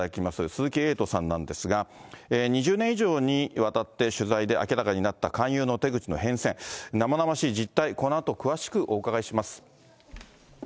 鈴木エイトさんなんですが、２０年以上にわたって取材で明らかになった勧誘の手口の変遷、生々しい実態、このあと詳しくお伺いします。